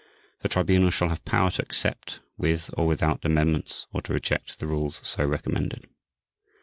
The Tribunal shall have power to accept, with or without amendments, or to reject, the rules so recommended.